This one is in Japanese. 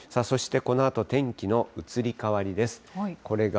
そしてこのあと、天気の移り変わりです。